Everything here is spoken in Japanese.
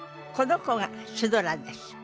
この子がシュドラです。